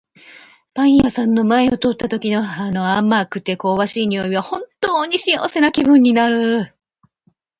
パン屋さんの前を通った時の、あの甘くて香ばしい匂いは本当に幸せな気分になる。